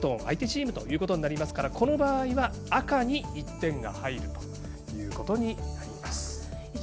相手チームとなりますからこの場合は赤に１点が入るということになります。